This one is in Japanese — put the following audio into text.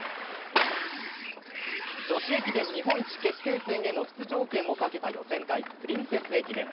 女子駅伝日本一決定戦の出場権をかけた予選会、プリンセス駅伝。